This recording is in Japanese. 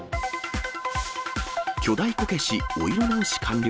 巨大こけしお色直し完了。